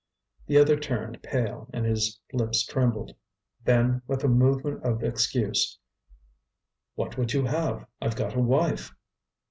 The other turned pale and his lips trembled; then, with a movement of excuse: "What would you have? I've got a wife."